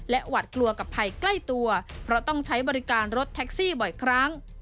หวัดกลัวกับภัยใกล้ตัวเพราะต้องใช้บริการรถแท็กซี่บ่อยครั้ง